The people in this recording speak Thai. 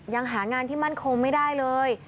ยังหางานที่มั่นคงไม่ได้เลย